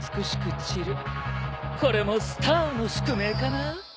これもスターの宿命かな。